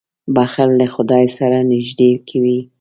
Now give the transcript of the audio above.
• بښل له خدای سره نېږدې کوي.